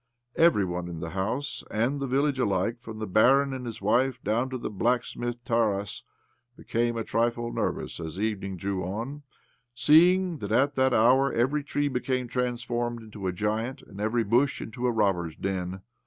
Every one in the house and the village alike — from the barin and his wife doAvn to the blacksmith Tarass — became a trifle nervous as evening drew on, seeing that at that hour every tree became transformed into a giant, and every bush into a robbers' den.